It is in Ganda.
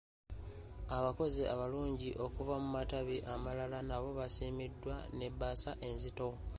Abaakoze obulungi okuva mu matabi amalala nabo baasiimiddwa n'ebbaasa enzito.